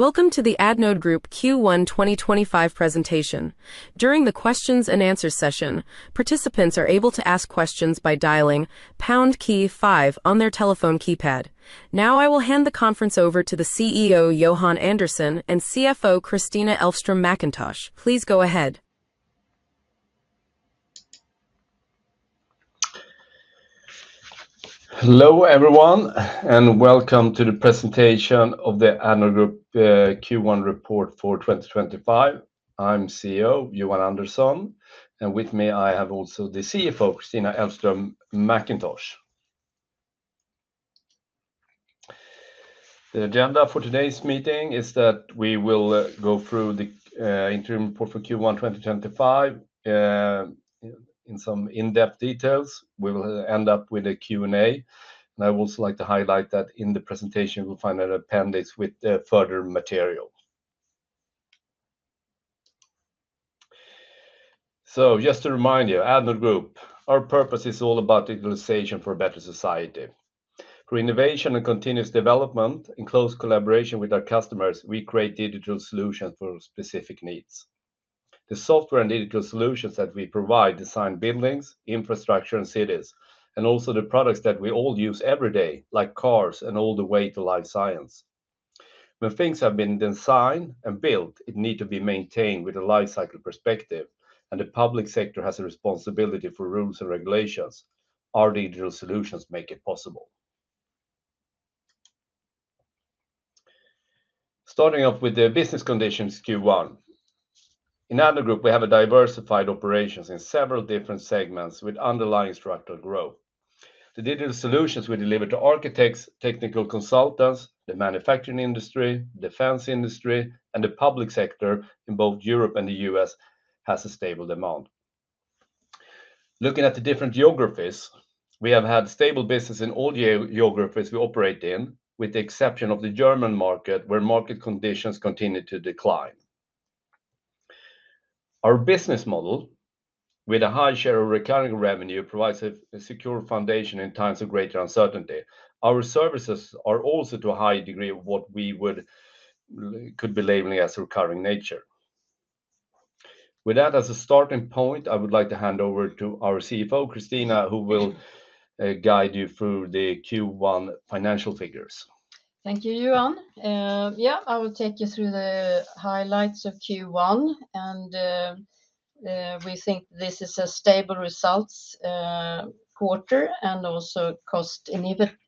Welcome to the Addnode Group Q1 2025 Presentation. During the Q&A session, participants are able to ask questions by dialing pound key 5 on their telephone keypad. Now, I will hand the conference over to the CEO Johan Andersson and CFO Kristina Elfström Mackintosh. Please go ahead. Hello everyone, and welcome to the presentation of the Addnode Group Q1 Report for 2025. I'm CEO Johan Andersson, and with me I have also the CFO Kristina Elfström Mackintosh. The agenda for today's meeting is that we will go through the Interim Report for Q1 2025 in some in-depth details. We will end up with a Q&A, and I would also like to highlight that in the presentation you will find an appendix with further material. Just to remind you, Addnode Group, our purpose is all about digitalization for a better society. Through innovation and continuous development, in close collaboration with our customers, we create digital solutions for specific needs. The software and digital solutions that we provide design buildings and infrastructure in cities, and also the products that we all use every day, like cars and all the way to life science. When things have been designed and built, it needs to be maintained with a life cycle perspective, and the public sector has a responsibility for rules and regulations. Our digital solutions make it possible. Starting off with the business conditions Q1. In Addnode Group, we have diversified operations in several different segments with underlying structural growth. The digital solutions we deliver to architects, technical consultants, the manufacturing industry, the defense industry, and the public sector in both Europe and the U.S. have a stable demand. Looking at the different geographies, we have had stable business in all the geographies we operate in, with the exception of the German market, where market conditions continue to decline. Our business model, with a high share of recurring revenue, provides a secure foundation in times of greater uncertainty. Our services are also to a high degree of what we could be labeling as recurring nature. With that as a starting point, I would like to hand over to our CFO Kristina, who will guide you through the Q1 financial figures. Thank you, Johan. Yeah, I will take you through the highlights of Q1, and we think this is a stable results quarter, and also cost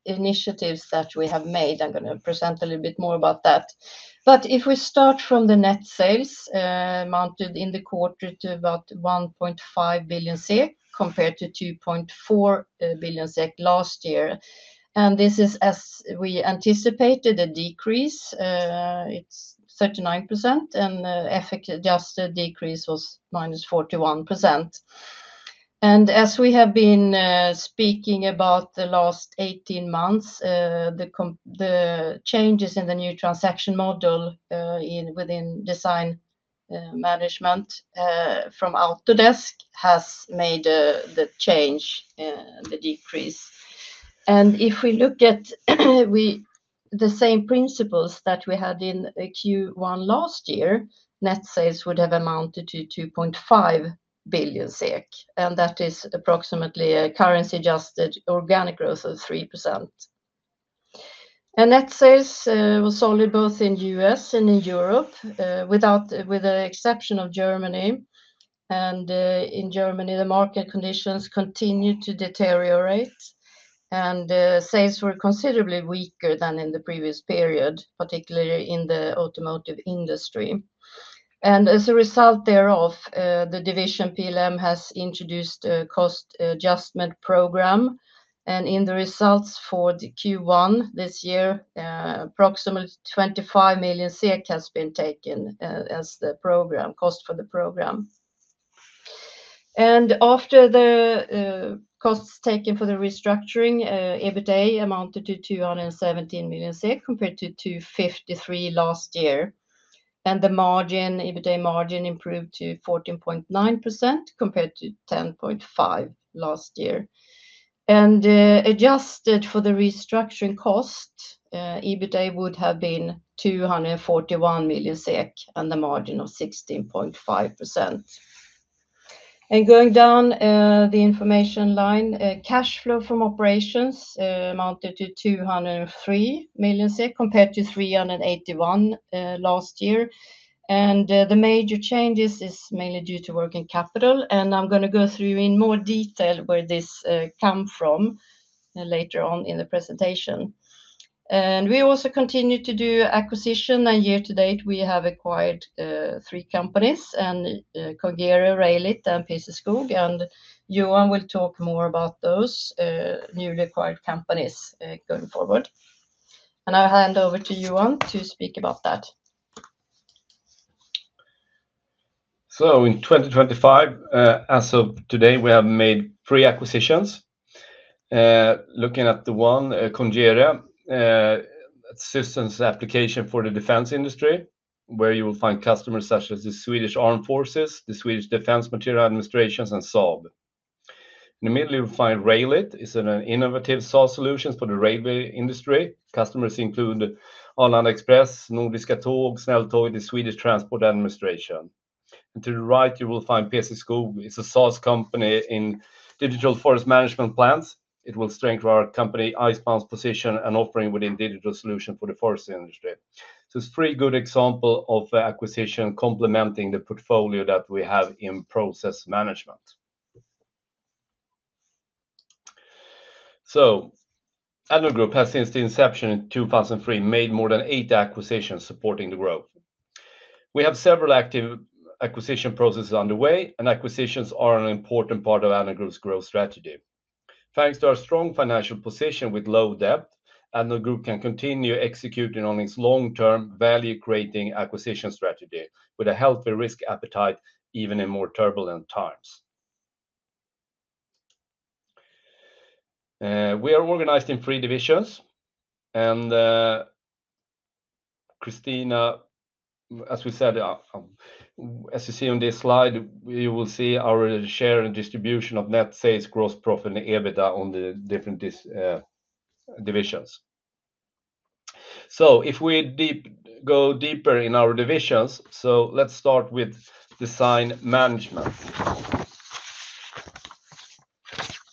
initiatives that we have made. I'm going to present a little bit more about that. If we start from the net sales, amounted in the quarter to about 1.5 billion SEK compared to 2.4 billion SEK last year, and this is, as we anticipated, a decrease. It's 39%, and effective just a decrease was -41%. As we have been speaking about the last 18 months, the changes in the new transaction model within design management from Autodesk have made the change, the decrease. If we look at the same principles that we had in Q1 last year, net sales would have amounted to 2.5 billion SEK, and that is approximately a currency-adjusted organic growth of 3%. Net sales were solid both in the U.S. and in Europe, without the exception of Germany. In Germany, the market conditions continued to deteriorate, and sales were considerably weaker than in the previous period, particularly in the automotive industry. As a result thereof, the division PLM has introduced a cost adjustment program, and in the results for Q1 this year, approximately 25 million has been taken as the cost for the program. After the costs taken for the restructuring, EBITDA amounted to 217 million compared to 253 million last year, and the EBITDA margin improved to 14.9% compared to 10.5% last year. Adjusted for the restructuring cost, EBITDA would have been 241 million SEK and the margin 16.5%. Going down the information line, cash flow from operations amounted to 203 million compared to 381 million last year. The major changes are mainly due to working capital, and I'm going to go through in more detail where this comes from later on in the presentation. We also continue to do acquisition, and year to date we have acquired three companies: Congere, Railit, and pcSKOG, and Johan will talk more about those newly acquired companies going forward. I'll hand over to Johan to speak about that. In 2025, as of today, we have made three acquisitions. Looking at the one, Congere, a systems application for the defense industry, where you will find customers such as the Swedish Armed Forces, the Swedish Defence Materiel Administration, and Saab. In the middle, you will find Railit. It's an innovative SaaS solution for the railway industry. Customers include Arlanda Express, Nordiska Tåg, Snälltåget, the Swedish Transport Administration. To the right, you will find pcSKOG. It's a SaaS company in digital forest management plans. It will strengthen our company Icebound's position and offering within digital solutions for the forest industry. It's a pretty good example of acquisition complementing the portfolio that we have in process management. Addnode Group has, since the inception in 2003, made more than eight acquisitions supporting the growth. We have several acquisition processes underway, and acquisitions are an important part of Addnode Group's growth strategy. Thanks to our strong financial position with low debt, Addnode Group can continue executing on its long-term value-creating acquisition strategy with a healthy risk appetite even in more turbulent times. We are organized in three divisions, and Kristina, as we said, as you see on this slide, you will see our share and distribution of net sales, gross profit, and EBITDA on the different divisions. If we go deeper in our divisions, let's start with design management.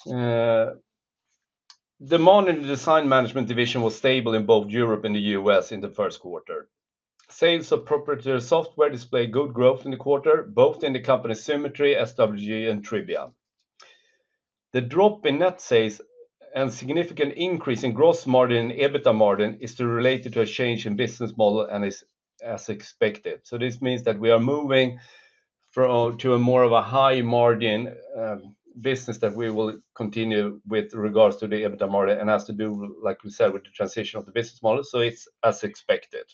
The modern design management division was stable in both Europe and the U.S. in the first quarter. Sales of proprietary software displayed good growth in the quarter, both in the company Symetri, SWG, and Tribia. The drop in net sales and significant increase in gross margin and EBITDA margin is related to a change in business model and is as expected. This means that we are moving to more of a high margin business that we will continue with regards to the EBITDA margin and has to do, like we said, with the transition of the business model. It is as expected.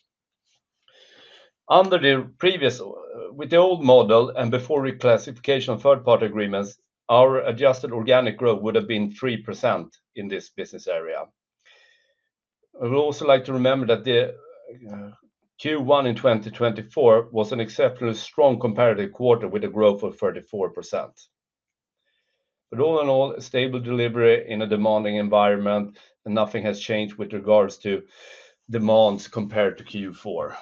Under the previous, with the old model and before reclassification of third-party agreements, our adjusted organic growth would have been 3% in this business area. I would also like to remember that Q1 in 2024 was an exceptionally strong comparative quarter with a growth of 34%. All in all, a stable delivery in a demanding environment, and nothing has changed with regards to demands compared to Q4.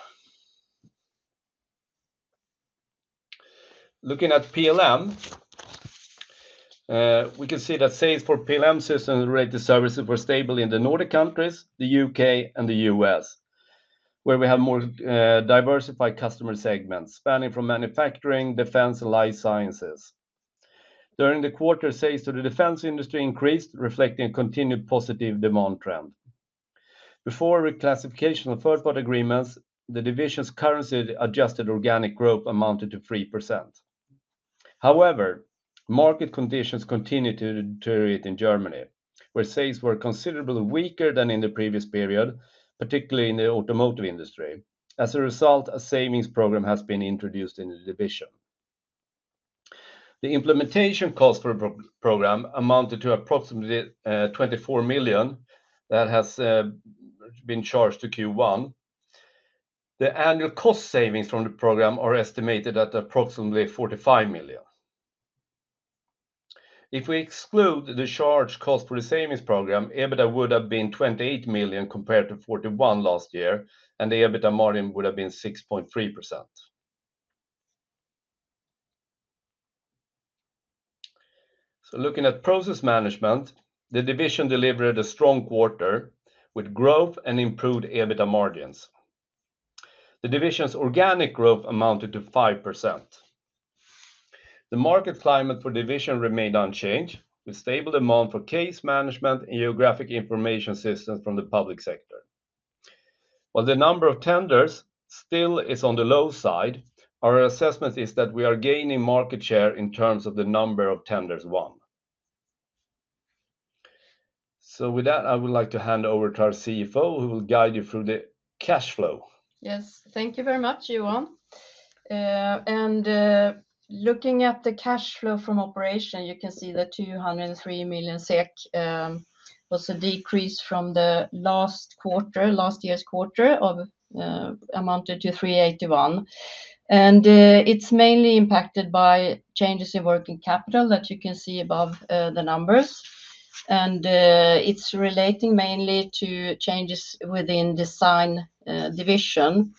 Looking at PLM, we can see that sales for PLM systems related to services were stable in the Nordic countries, the U.K., and the U.S., where we have more diversified customer segments spanning from manufacturing, defense, and life sciences. During the quarter, sales to the defense industry increased, reflecting a continued positive demand trend. Before reclassification of third-party agreements, the division's currently adjusted organic growth amounted to 3%. However, market conditions continue to deteriorate in Germany, where sales were considerably weaker than in the previous period, particularly in the automotive industry. As a result, a savings program has been introduced in the division. The implementation cost for the program amounted to approximately 24 million that has been charged to Q1. The annual cost savings from the program are estimated at approximately 45 million. If we exclude the charge cost for the savings program, EBITDA would have been 28 million compared to 41 million last year, and the EBITDA margin would have been 6.3%. Looking at process management, the division delivered a strong quarter with growth and improved EBITDA margins. The division's organic growth amounted to 5%. The market climate for the division remained unchanged, with stable demand for case management and geographic information systems from the public sector. While the number of tenders still is on the low side, our assessment is that we are gaining market share in terms of the number of tenders won. With that, I would like to hand over to our CFO, who will guide you through the cash flow. Yes, thank you very much, Johan. Looking at the cash flow from operation, you can see that 203 million SEK was a decrease from the last quarter, last year's quarter, amounted to 381 million. It is mainly impacted by changes in working capital that you can see above the numbers. It is relating mainly to changes within the design division.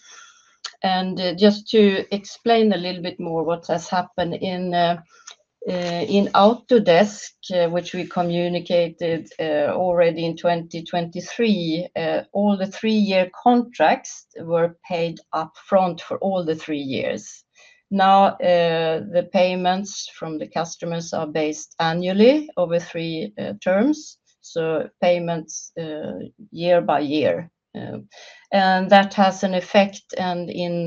Just to explain a little bit more what has happened in Autodesk, which we communicated already in 2023, all the three-year contracts were paid upfront for all the three years. Now, the payments from the customers are based annually over three terms, so payments year by year. That has an effect, and in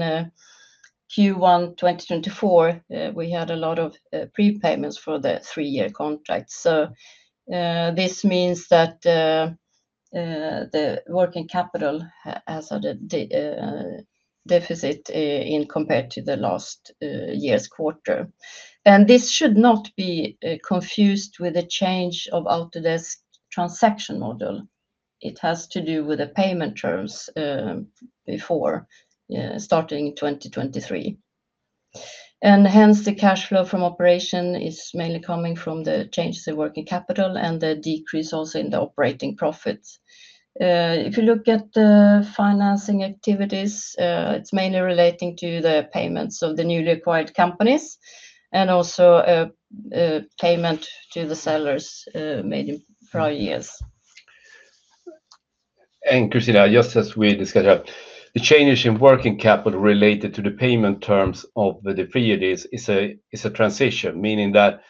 Q1 2024, we had a lot of prepayments for the three-year contracts. This means that the working capital has a deficit compared to the last year's quarter. This should not be confused with the change of Autodesk's transaction model. It has to do with the payment terms before starting in 2023. Hence, the cash flow from operation is mainly coming from the changes in working capital and the decrease also in the operating profits. If you look at the financing activities, it is mainly relating to the payments of the newly acquired companies and also payment to the sellers made in prior years. Kristina, just as we discussed, the changes in working capital related to the payment terms of the three years is a transition, meaning that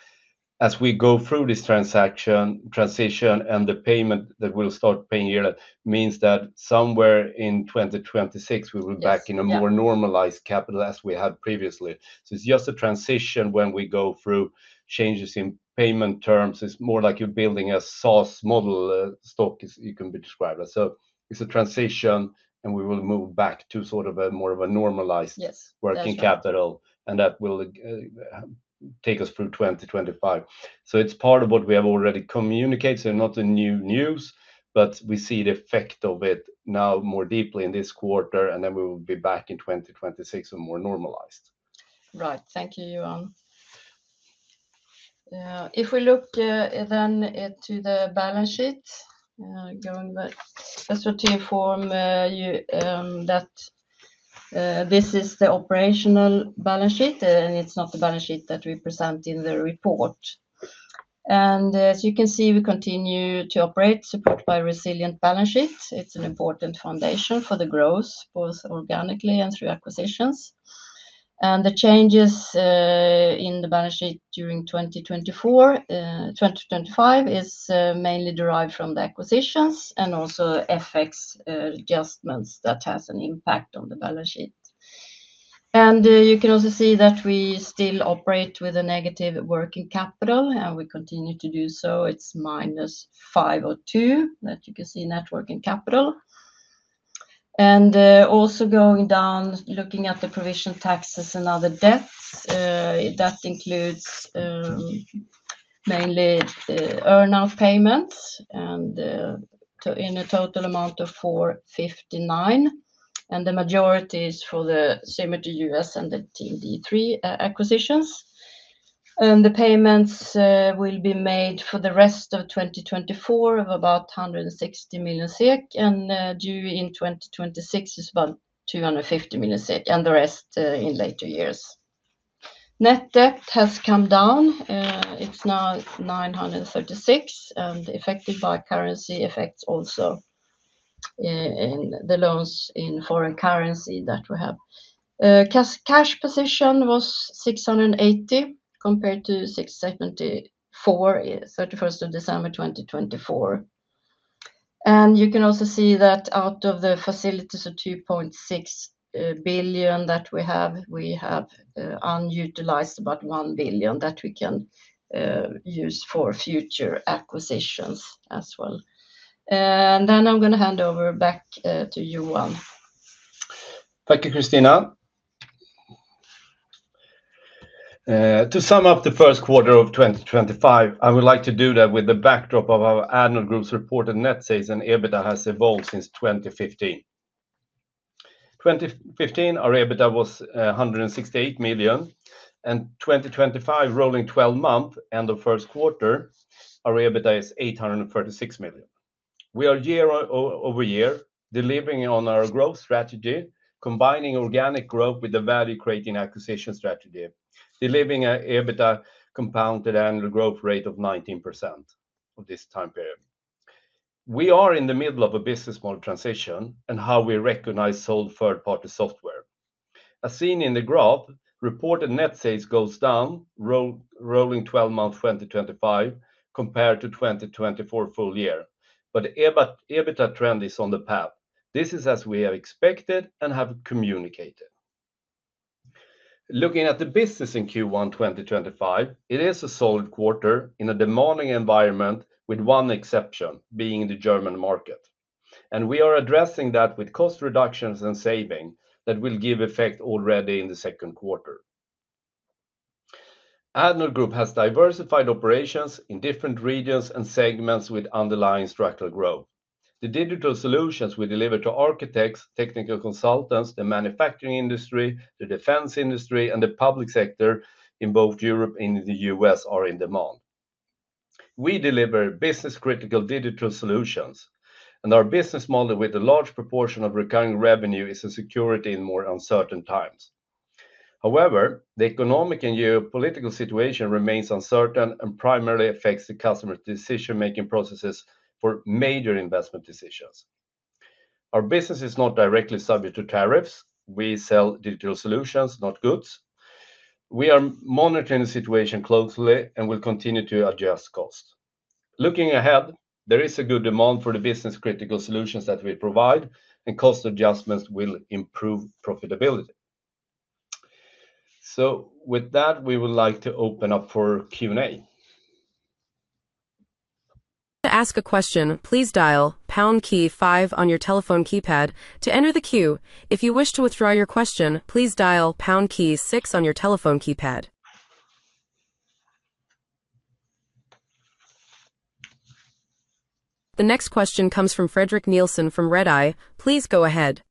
as we go through this transition and the payment that we'll start paying yearly means that somewhere in 2026, we will be back in a more normalized capital as we had previously. It is just a transition when we go through changes in payment terms. It is more like you are building a SaaS model, stock, as you can be described. It is a transition, and we will move back to sort of a more of a normalized working capital, and that will take us through 2025. It is part of what we have already communicated, so not the new news, but we see the effect of it now more deeply in this quarter, and then we will be back in 2026 and more normalized. Right, thank you, Johan. If we look then to the balance sheet, I'm going to inform you that this is the operational balance sheet, and it's not the balance sheet that we present in the report. As you can see, we continue to operate supported by a resilient balance sheet. It's an important foundation for the growth, both organically and through acquisitions. The changes in the balance sheet during 2024, 2025, is mainly derived from the acquisitions and also FX adjustments that have an impact on the balance sheet. You can also see that we still operate with a negative working capital, and we continue to do so. It's -502 million that you can see net working capital. Also, going down, looking at the provision taxes and other debts, that includes mainly earn-out payments in a total amount of 459 million, and the majority is for the Symetri U.S. and the Team D3 acquisitions. The payments will be made for the rest of 2024 of about 160 million SEK, and due in 2026 is about 250 million SEK, and the rest in later years. Net debt has come down. It's now 936 million, and affected by currency effects also in the loans in foreign currency that we have. Cash position was 680 million compared to 674 million on 31 December 2024. You can also see that out of the facilities of 2.6 billion that we have, we have unutilized about 1 billion that we can use for future acquisitions as well. I'm going to hand over back to Johan. Thank you, Kristina. To sum up the first quarter of 2025, I would like to do that with the backdrop of our Addnode Group's reported net sales and EBITDA has evolved since 2015. In 2015, our EBITDA was 168 million, and 2025, rolling 12 months, end of first quarter, our EBITDA is 836 million. We are year over year delivering on our growth strategy, combining organic growth with the value-creating acquisition strategy, delivering an EBITDA compounded annual growth rate of 19% of this time period. We are in the middle of a business model transition and how we recognize sold third-party software. As seen in the graph, reported net sales goes down, rolling 12 months 2025 compared to 2024 full year, but the EBITDA trend is on the path. This is as we have expected and have communicated. Looking at the business in Q1 2025, it is a solid quarter in a demanding environment, with one exception being the German market. We are addressing that with cost reductions and savings that will give effect already in the second quarter. Addnode Group has diversified operations in different regions and segments with underlying structural growth. The digital solutions we deliver to architects, technical consultants, the manufacturing industry, the defense industry, and the public sector in both Europe and the U.S. are in demand. We deliver business-critical digital solutions, and our business model with a large proportion of recurring revenue is a security in more uncertain times. However, the economic and geopolitical situation remains uncertain and primarily affects the customer's decision-making processes for major investment decisions. Our business is not directly subject to tariffs. We sell digital solutions, not goods. We are monitoring the situation closely and will continue to adjust costs. Looking ahead, there is a good demand for the business-critical solutions that we provide, and cost adjustments will improve profitability. With that, we would like to open up for Q&A. To ask a question, please dial pound key five on your telephone keypad to enter the queue. If you wish to withdraw your question, please dial pound key six on your telephone keypad. The next question comes from Fredrik Nilsson from Redeye. Please go ahead.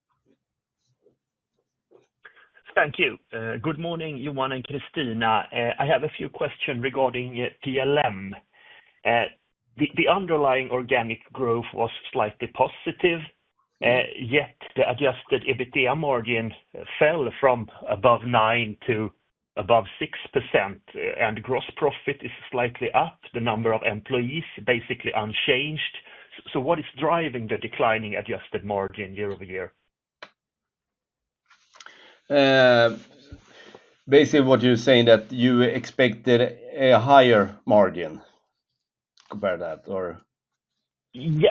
Thank you. Good morning, Johan and Kristina. I have a few questions regarding PLM. The underlying organic growth was slightly positive, yet the adjusted EBITDA margin fell from above 9% to above 6%, and gross profit is slightly up. The number of employees is basically unchanged. What is driving the declining adjusted margin year over year? Basically, what you're saying is that you expected a higher margin compared to that, or? Yeah,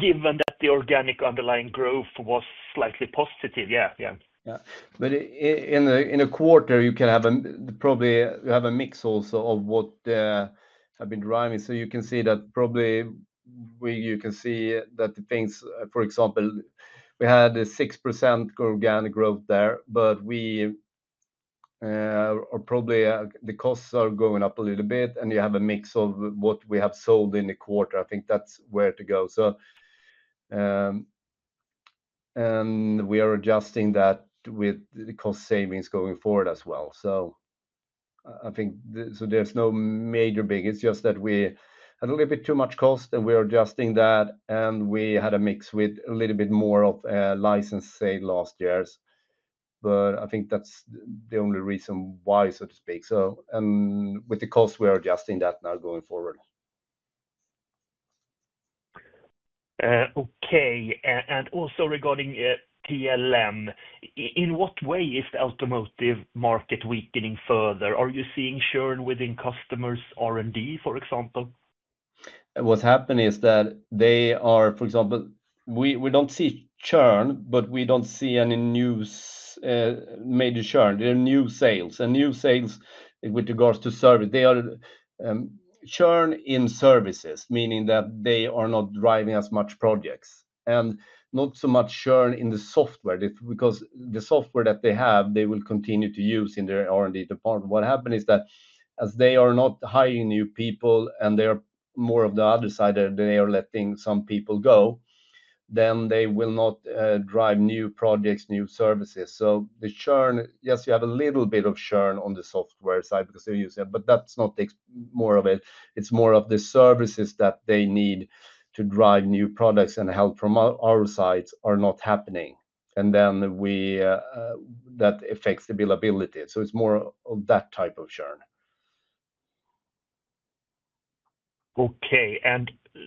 given that the organic underlying growth was slightly positive. Yeah, yeah. In a quarter, you can have a probably you have a mix also of what has been driving. You can see that probably you can see that the things, for example, we had a 6% organic growth there, but probably the costs are going up a little bit, and you have a mix of what we have sold in the quarter. I think that's where to go. We are adjusting that with the cost savings going forward as well. I think there's no major big issue. It's just that we had a little bit too much cost, and we are adjusting that, and we had a mix with a little bit more of a license sale last year. I think that's the only reason why, so to speak. With the cost, we are adjusting that now going forward. Okay. Also regarding PLM, in what way is the automotive market weakening further? Are you seeing churn within customers' R&D, for example? What's happened is that they are, for example, we don't see churn, but we don't see any new major churn. There are new sales, and new sales with regards to service. They are churn in services, meaning that they are not driving as much projects and not so much churn in the software because the software that they have, they will continue to use in their R&D department. What happened is that as they are not hiring new people and they are more of the other side, they are letting some people go, then they will not drive new projects, new services. The churn, yes, you have a little bit of churn on the software side because they're using it, but that's not more of it. It's more of the services that they need to drive new products and help from our sides are not happening. That affects the billability. It's more of that type of churn. Okay.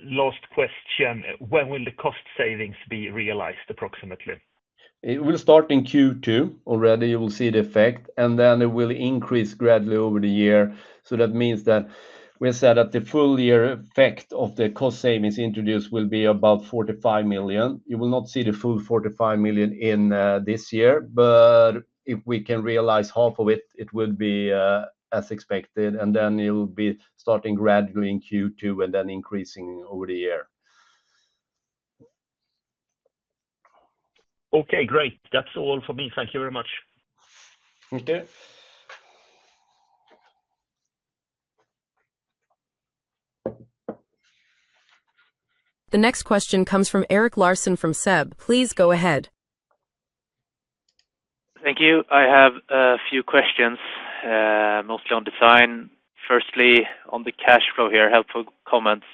Last question. When will the cost savings be realized approximately? It will start in Q2 already. You will see the effect, and then it will increase gradually over the year. That means that we said that the full year effect of the cost savings introduced will be about 45 million. You will not see the full 45 million in this year, but if we can realize half of it, it would be as expected. It will be starting gradually in Q2 and then increasing over the year. Okay, great. That is all for me. Thank you very much. Thank you. The next question comes from Eric Larsson from SEB. Please go ahead. Thank you. I have a few questions, mostly on design. Firstly, on the cash flow here, helpful comments.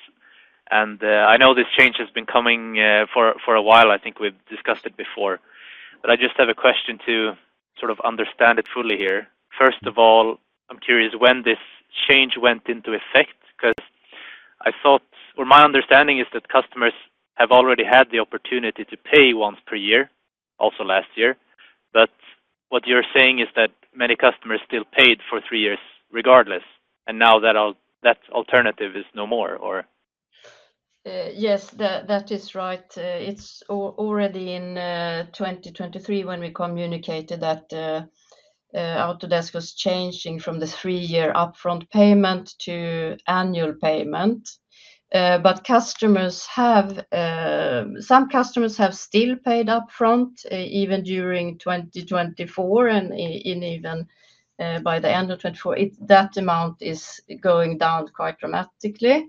I know this change has been coming for a while. I think we've discussed it before. I just have a question to sort of understand it fully here. First of all, I'm curious when this change went into effect because I thought, or my understanding is that customers have already had the opportunity to pay once per year, also last year. What you're saying is that many customers still paid for three years regardless, and now that alternative is no more, or? Yes, that is right. It is already in 2023 when we communicated that Autodesk was changing from the three-year upfront payment to annual payment. Customers have, some customers have still paid upfront even during 2024 and even by the end of 2024. That amount is going down quite dramatically.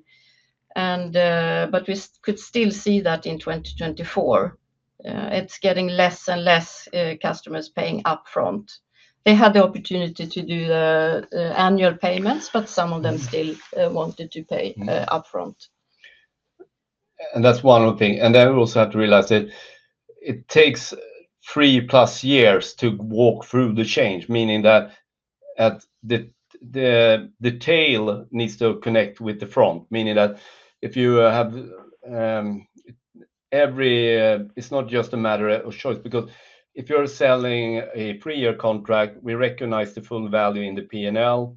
We could still see that in 2024. It is getting less and less customers paying upfront. They had the opportunity to do the annual payments, but some of them still wanted to pay upfront. That's one thing. I also had to realize that it takes three plus years to walk through the change, meaning that the tail needs to connect with the front, meaning that if you have every, it's not just a matter of choice because if you're selling a three-year contract, we recognize the full value in the P&L,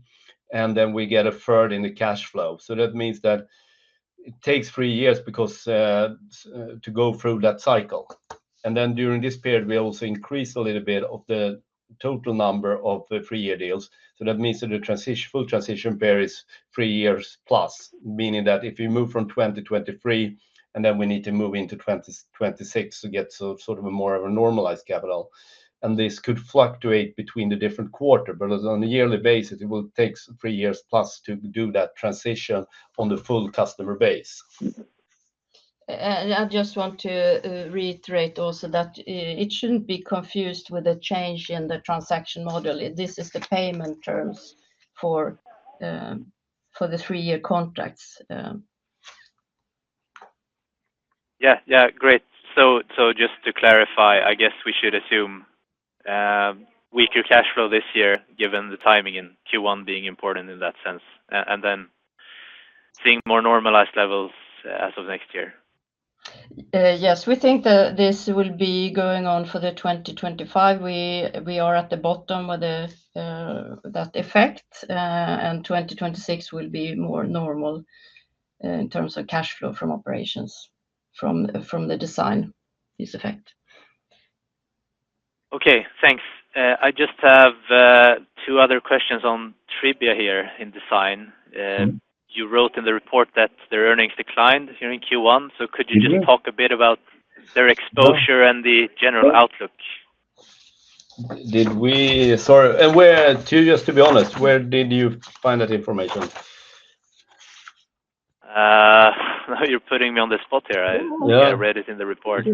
and then we get a third in the cash flow. That means that it takes three years to go through that cycle. During this period, we also increase a little bit of the total number of three-year deals. That means that the full transition period is three years plus, meaning that if you move from 2023, we need to move into 2026 to get sort of more of a normalized capital. This could fluctuate between the different quarters, but on a yearly basis, it will take three years plus to do that transition on the full customer base. I just want to reiterate also that it should not be confused with a change in the transaction model. This is the payment terms for the three-year contracts. Yeah, yeah, great. Just to clarify, I guess we should assume weaker cash flow this year given the timing and Q1 being important in that sense, and then seeing more normalized levels as of next year. Yes, we think that this will be going on for 2025. We are at the bottom with that effect, and 2026 will be more normal in terms of cash flow from operations, from the design, this effect. Okay, thanks. I just have two other questions on Tribia here in design. You wrote in the report that their earnings declined during Q1. Could you just talk a bit about their exposure and the general outlook? Sorry, just to be honest, where did you find that information? Now you're putting me on the spot here. I read it in the report.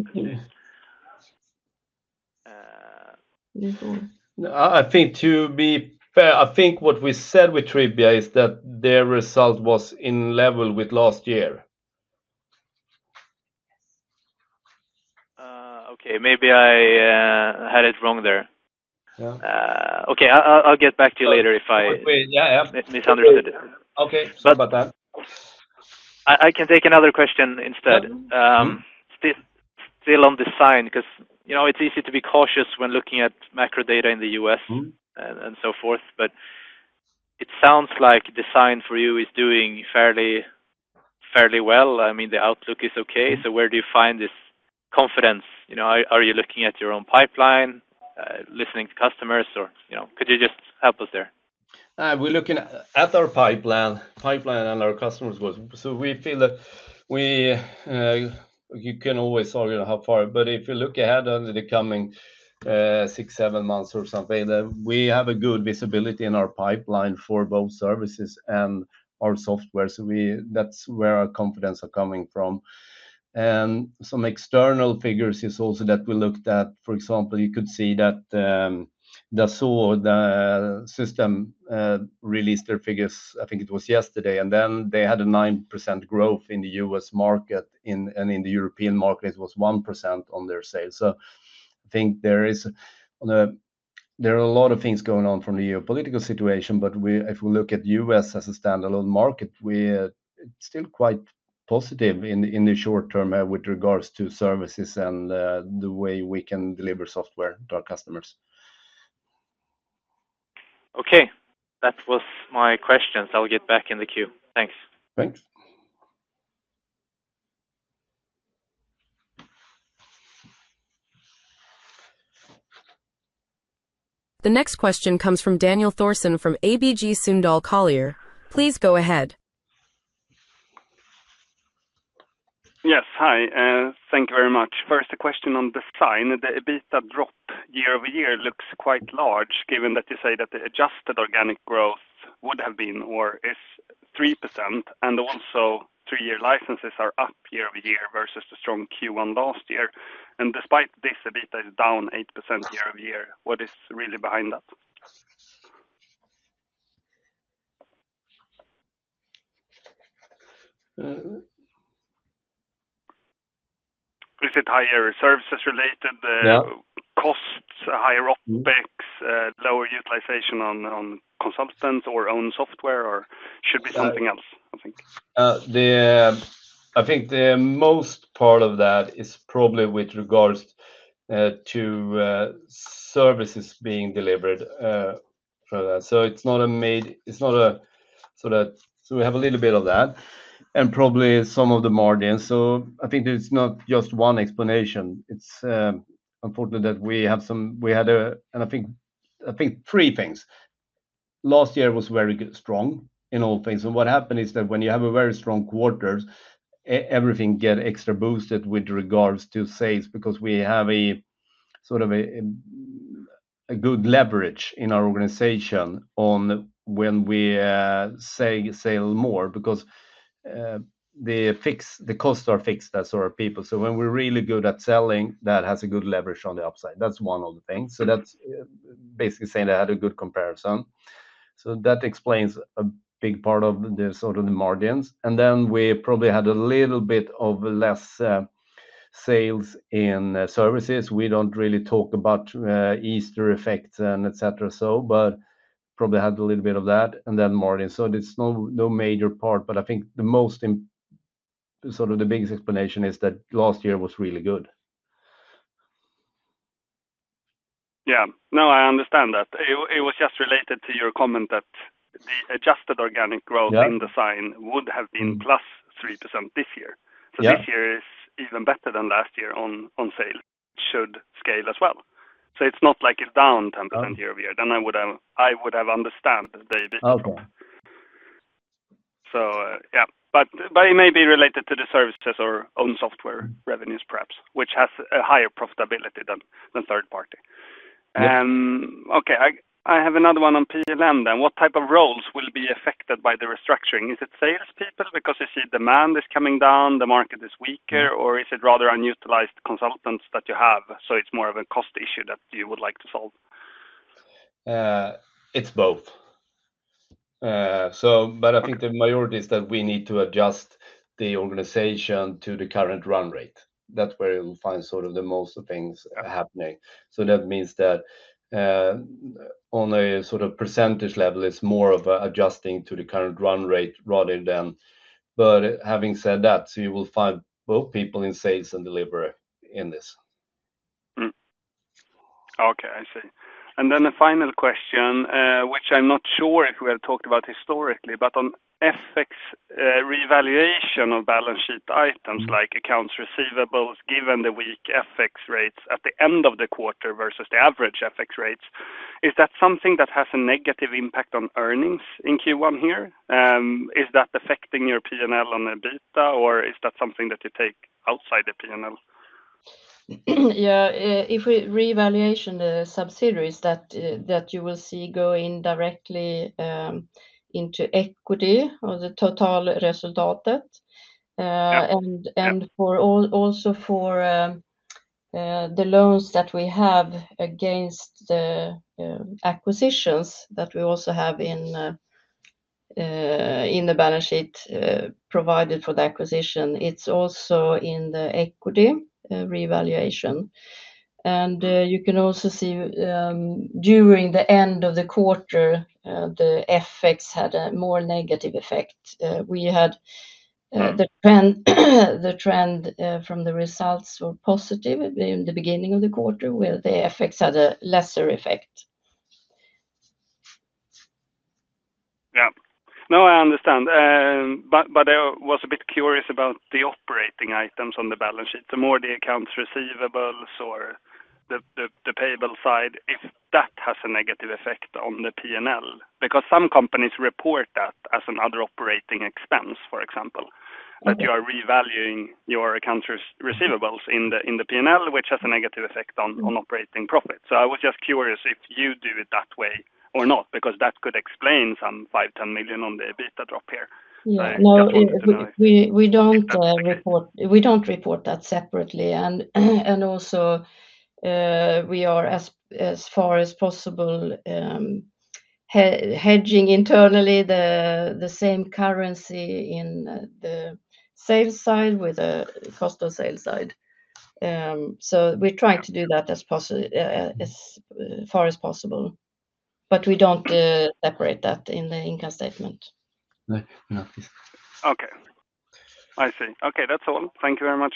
I think to be fair, I think what we said with Tribia is that their result was in level with last year. Okay, maybe I had it wrong there. Okay, I'll get back to you later if I misunderstood it. Okay, sorry about that. I can take another question instead. Still on design, because it's easy to be cautious when looking at macro data in the U.S. and so forth, but it sounds like design for you is doing fairly well. I mean, the outlook is okay. Where do you find this confidence? Are you looking at your own pipeline, listening to customers, or could you just help us there? We're looking at our pipeline and our customers. You can always argue how far, but if you look ahead under the coming six, seven months or something, we have a good visibility in our pipeline for both services and our software. That's where our confidence is coming from. Some external figures is also that we looked at. For example, you could see that Dassault Systèmes released their figures. I think it was yesterday, and they had a 9% growth in the U.S. market, and in the European market, it was 1% on their sales. I think there are a lot of things going on from the geopolitical situation, but if we look at the U.S. as a standalone market, we're still quite positive in the short term with regards to services and the way we can deliver software to our customers. Okay, that was my questions. I'll get back in the queue. Thanks. Thanks. The next question comes from Daniel Thorsson from ABG Sundal Collier. Please go ahead. Yes, hi. Thank you very much. First, a question on design. The EBITDA drop year over year looks quite large, given that you say that the adjusted organic growth would have been or is 3%, and also three-year licenses are up year over year versus the strong Q1 last year. Despite this, EBITDA is down 8% year over year. What is really behind that? Is it higher services-related costs, higher OpEx, lower utilization on consultants or own software, or should it be something else, I think? I think the most part of that is probably with regards to services being delivered for that. It's not a made, it's not a sort of. We have a little bit of that and probably some of the margin. I think there's not just one explanation. It's unfortunate that we have some, we had a, and I think three things. Last year was very strong in all things. What happened is that when you have a very strong quarter, everything gets extra boosted with regards to sales because we have a sort of a good leverage in our organization on when we sell more because the costs are fixed as our people. When we're really good at selling, that has a good leverage on the upside. That's one of the things. That's basically saying they had a good comparison. That explains a big part of the sort of the margins. We probably had a little bit of less sales in services. We do not really talk about Easter effects and etc., but probably had a little bit of that and then margin. There is no major part, but I think the most sort of the biggest explanation is that last year was really good. Yeah. No, I understand that. It was just related to your comment that the adjusted organic growth in design would have been +3% this year. This year is even better than last year on sale. Should scale as well. It is not like it is down 10% year over year. I would have understood the EBITDA. Yeah, but it may be related to the services or own software revenues perhaps, which has a higher profitability than third party. Okay, I have another one on PLM then. What type of roles will be affected by the restructuring? Is it salespeople because you see demand is coming down, the market is weaker, or is it rather unutilized consultants that you have? It is more of a cost issue that you would like to solve? It's both. I think the majority is that we need to adjust the organization to the current run rate. That's where you'll find the most of things happening. That means that on a percentage level, it's more of adjusting to the current run rate rather than, but having said that, you will find both people in sales and delivery in this. Okay, I see. The final question, which I'm not sure if we have talked about historically, but on FX revaluation of balance sheet items like accounts receivables, given the weak FX rates at the end of the quarter versus the average FX rates, is that something that has a negative impact on earnings in Q1 here? Is that affecting your P&L on EBITDA, or is that something that you take outside the P&L? Yeah, if we revaluate the subsidiaries, that you will see going directly into equity or the total result. Also for the loans that we have against the acquisitions that we also have in the balance sheet provided for the acquisition, it's also in the equity revaluation. You can also see during the end of the quarter, the FX had a more negative effect. We had the trend from the results were positive in the beginning of the quarter, where the FX had a lesser effect. Yeah. No, I understand. I was a bit curious about the operating items on the balance sheet, so more the accounts receivables or the payable side, if that has a negative effect on the P&L, because some companies report that as another operating expense, for example, that you are revaluing your accounts receivables in the P&L, which has a negative effect on operating profit. I was just curious if you do it that way or not, because that could explain some 5-10 million on the EBITDA drop here. No, we don't report that separately. We are, as far as possible, hedging internally the same currency in the sales side with the cost of sales side. We are trying to do that as far as possible, but we don't separate that in the income statement. Okay, I see. Okay, that's all. Thank you very much.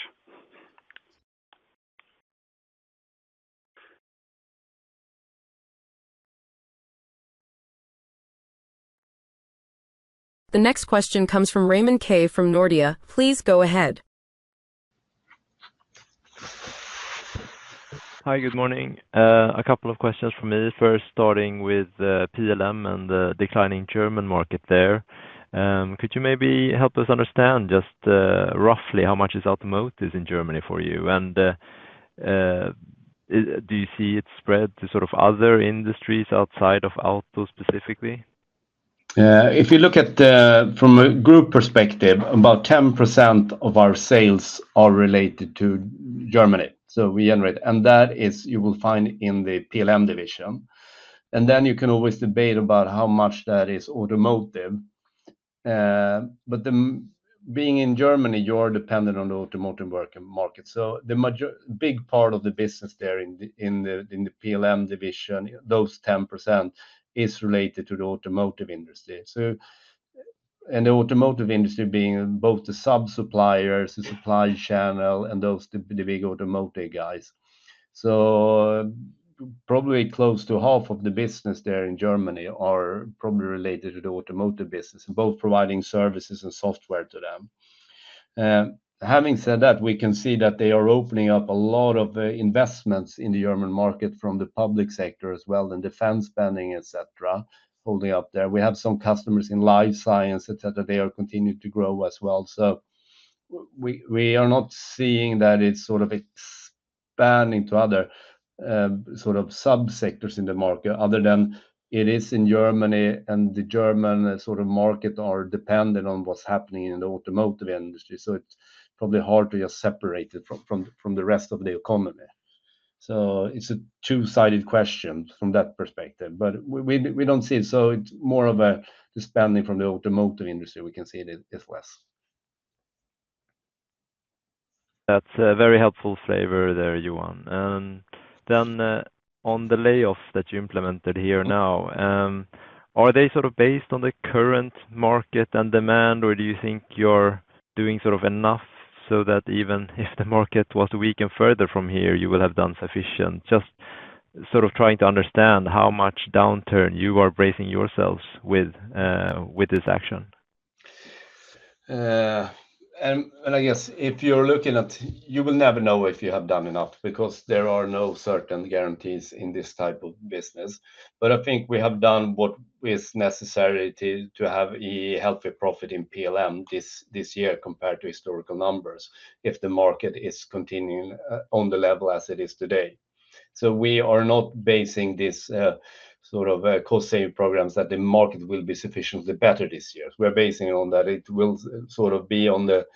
The next question comes from Raymond Ke from Nordea. Please go ahead. Hi, good morning. A couple of questions for me, first starting with PLM and the declining German market there. Could you maybe help us understand just roughly how much is automotive in Germany for you? Do you see it spread to sort of other industries outside of auto specifically? If you look at it from a group perspective, about 10% of our sales are related to Germany. We generate, and that is, you will find in the PLM division. You can always debate about how much that is automotive. Being in Germany, you're dependent on the automotive market. A big part of the business there in the PLM division, those 10%, is related to the automotive industry. The automotive industry includes both the sub-suppliers, the supply channel, and the big automotive guys. Probably close to half of the business there in Germany is probably related to the automotive business, both providing services and software to them. Having said that, we can see that they are opening up a lot of investments in the German market from the public sector as well, and defense spending, etc., holding up there. We have some customers in life science, etc. They are continuing to grow as well. We are not seeing that it's sort of expanding to other sort of sub-sectors in the market other than it is in Germany, and the German sort of market are dependent on what's happening in the automotive industry. It's probably hard to just separate it from the rest of the economy. It's a two-sided question from that perspective, but we don't see it. It's more of a spending from the automotive industry. We can see it is less. That's a very helpful flavor there, Johan. On the layoff that you implemented here now, are they sort of based on the current market and demand, or do you think you're doing sort of enough so that even if the market was weakened further from here, you will have done sufficient? Just sort of trying to understand how much downturn you are bracing yourselves with this action. If you're looking at it, you will never know if you have done enough because there are no certain guarantees in this type of business. I think we have done what is necessary to have a healthy profit in PLM this year compared to historical numbers if the market is continuing on the level as it is today. We are not basing this sort of cost-saving programs that the market will be sufficiently better this year. We're basing it on that it will sort of be on the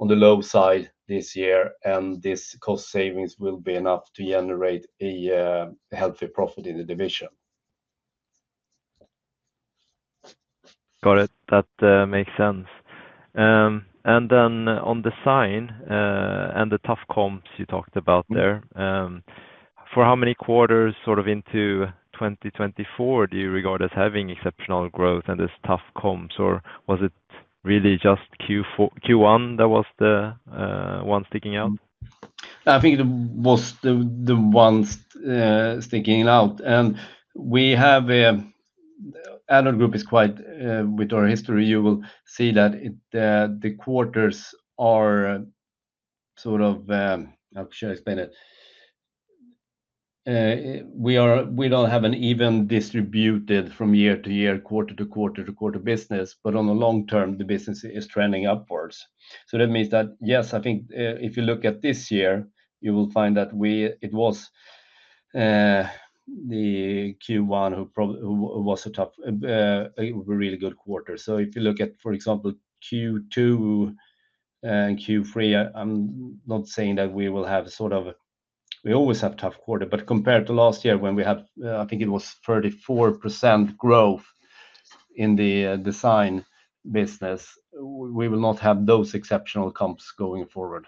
low side this year, and this cost savings will be enough to generate a healthy profit in the division. Got it. That makes sense. Then on design and the tough comps you talked about there, for how many quarters sort of into 2024 do you regard as having exceptional growth and these tough comps, or was it really just Q1 that was the one sticking out? I think it was the ones sticking out. We have a other group is quite with our history. You will see that the quarters are sort of, how should I explain it? We do not have an even distributed from year to year, quarter to quarter to quarter business, but on the long term, the business is trending upwards. That means that, yes, I think if you look at this year, you will find that it was the Q1 who was a tough, a really good quarter. If you look at, for example, Q2 and Q3, I am not saying that we will have sort of, we always have tough quarter, but compared to last year when we had, I think it was 34% growth in the design business, we will not have those exceptional comps going forward.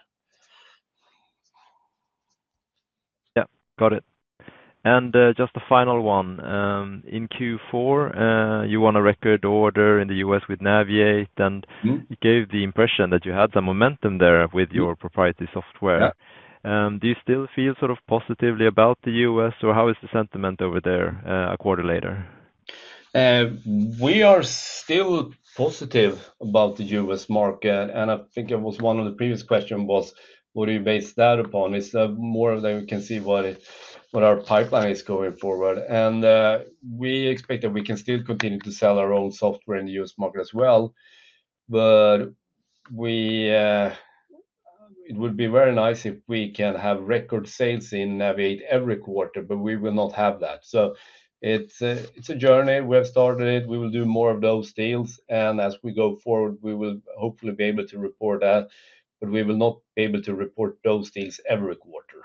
Yeah, got it. Just the final one. In Q4, you won a record order in the U.S. with Naviate, and you gave the impression that you had some momentum there with your proprietary software. Do you still feel sort of positively about the U.S., or how is the sentiment over there a quarter later? We are still positive about the U.S. market. I think it was one of the previous questions was, what do you base that upon? It is more that we can see what our pipeline is going forward. We expect that we can still continue to sell our own software in the U.S. market as well. It would be very nice if we can have record sales in Naviate every quarter, but we will not have that. It is a journey. We have started it. We will do more of those deals. As we go forward, we will hopefully be able to report that, but we will not be able to report those deals every quarter.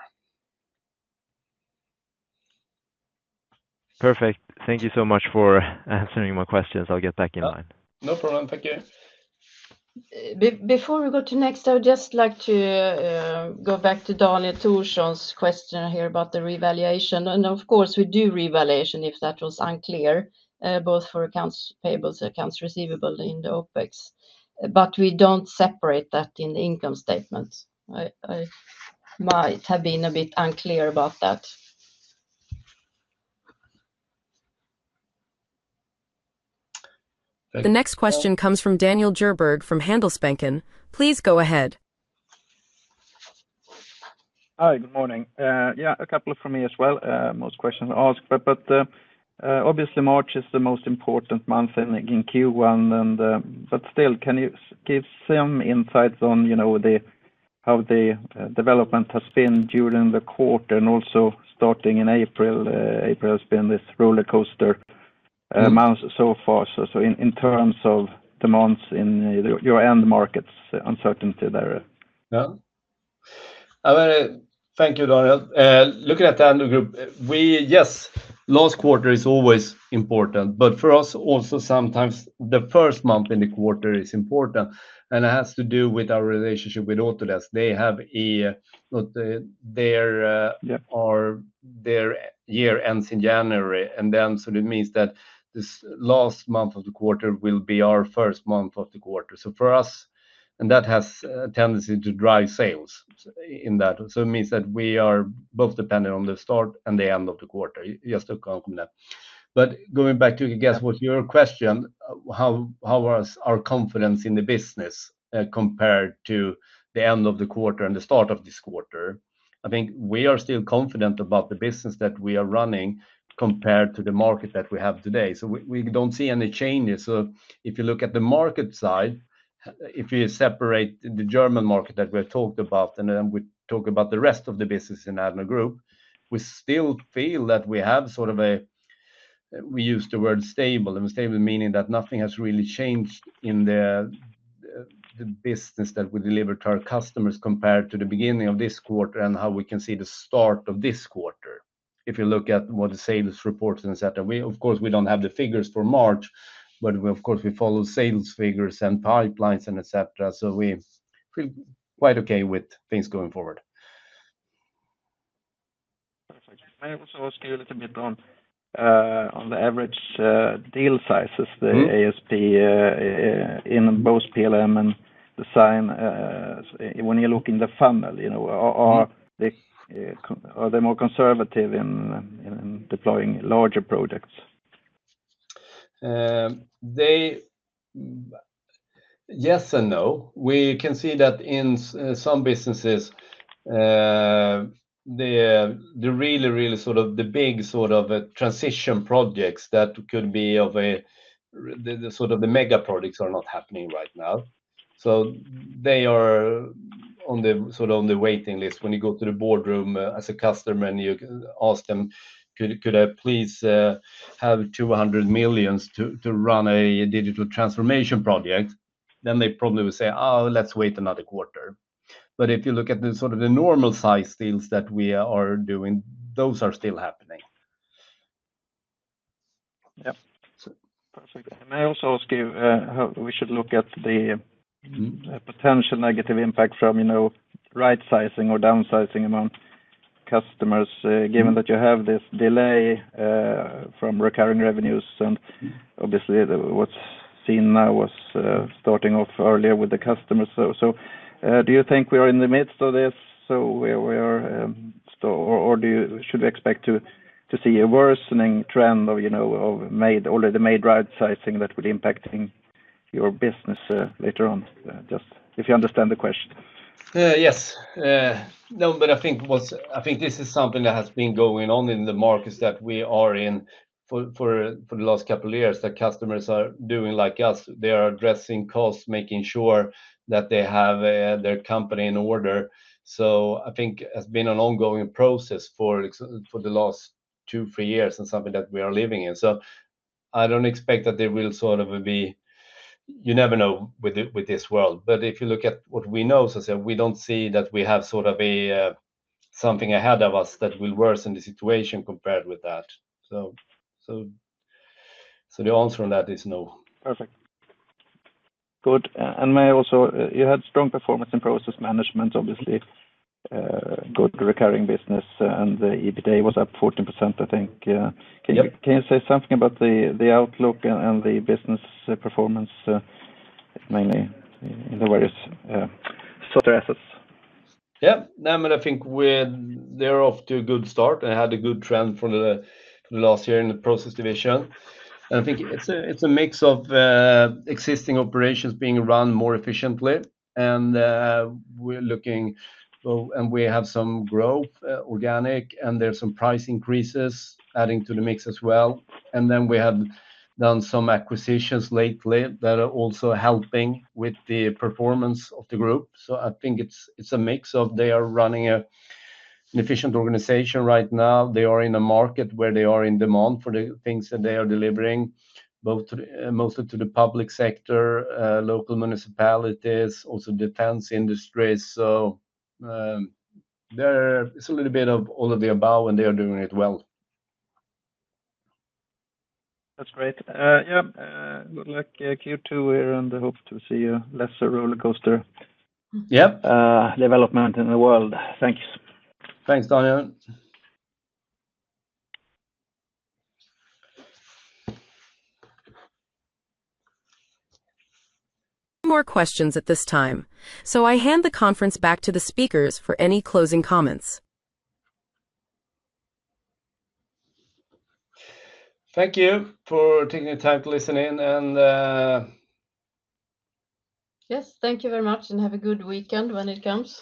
Perfect. Thank you so much for answering my questions. I'll get back in line. No problem. Thank you. Before we go to next, I would just like to go back to Daniel Thorsson's question here about the revaluation. Of course, we do revaluation if that was unclear, both for accounts payable and accounts receivable in the OpEx, but we do not separate that in the income statements. I might have been a bit unclear about that. The next question comes from Daniel Djurberg from Handelsbanken. Please go ahead. Hi, good morning. Yeah, a couple from me as well. Most questions are asked, but obviously, March is the most important month in Q1. Can you give some insights on how the development has been during the quarter and also starting in April? April has been this roller coaster month so far. In terms of demands in your end markets, uncertainty there. Thank you, Daniel. Looking at the end group, yes, last quarter is always important, but for us also, sometimes the first month in the quarter is important. It has to do with our relationship with Autodesk. They have their year ends in January. It means that this last month of the quarter will be our first month of the quarter. For us, that has a tendency to drive sales in that. It means that we are both dependent on the start and the end of the quarter. Just to comment. Going back to, I guess, your question, how was our confidence in the business compared to the end of the quarter and the start of this quarter? I think we are still confident about the business that we are running compared to the market that we have today. We do not see any changes. If you look at the market side, if you separate the German market that we have talked about, and then we talk about the rest of the business in Addnode Group, we still feel that we have sort of a, we use the word stable, and stable meaning that nothing has really changed in the business that we deliver to our customers compared to the beginning of this quarter and how we can see the start of this quarter. If you look at what the sales reports and etc., of course, we do not have the figures for March, but of course, we follow sales figures and pipelines and etc. We feel quite okay with things going forward. Perfect. I also asked you a little bit on the average deal sizes, the ASP in both PLM and design. When you look in the funnel, are they more conservative in deploying larger projects? Yes and no. We can see that in some businesses, the really, really sort of the big sort of transition projects that could be sort of the mega projects are not happening right now. They are sort of on the waiting list. When you go to the boardroom as a customer and you ask them, could I please have 200 million to run a digital transformation project? They probably will say, oh, let's wait another quarter. If you look at the sort of the normal size deals that we are doing, those are still happening. Yeah. Perfect. I also ask you how we should look at the potential negative impact from right-sizing or downsizing among customers, given that you have this delay from recurring revenues. Obviously, what's seen now was starting off earlier with the customers. Do you think we are in the midst of this? We are still, or should we expect to see a worsening trend of already made right-sizing that will be impacting your business later on? Just if you understand the question. Yes. No, but I think this is something that has been going on in the markets that we are in for the last couple of years that customers are doing like us. They are addressing costs, making sure that they have their company in order. I think it has been an ongoing process for the last two, three years and something that we are living in. I do not expect that there will sort of be, you never know with this world. If you look at what we know, we do not see that we have sort of something ahead of us that will worsen the situation compared with that. The answer on that is no. Perfect. Good. May I also, you had strong performance in process management, obviously. Good recurring business and the EBITDA was up 14%, I think. Can you say something about the outlook and the business performance mainly in the various stresses? Yeah. No, I think they're off to a good start. They had a good trend from the last year in the process division. I think it's a mix of existing operations being run more efficiently. We're looking, and we have some growth organic, and there's some price increases adding to the mix as well. We have done some acquisitions lately that are also helping with the performance of the group. I think it's a mix of they are running an efficient organization right now. They are in a market where they are in demand for the things that they are delivering, both mostly to the public sector, local municipalities, also defense industries. It's a little bit of all of the above, and they are doing it well. That's great. Yeah. Good luck Q2 here, and I hope to see a lesser roller coaster development in the world. Thanks. Thanks, Daniel. No more questions at this time. I hand the conference back to the speakers for any closing comments. Thank you for taking the time to listen in. Yes, thank you very much, and have a good weekend when it comes.